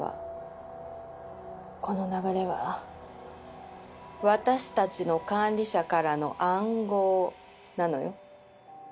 この流れは私たちの管理者からの暗号なのよ。